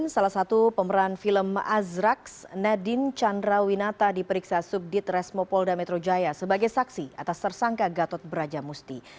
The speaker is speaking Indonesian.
salah satu pemeran film azrax nadine chandra winata diperiksa subdit resmopolda metro jaya sebagai saksi atas tersangka gatot beraja musti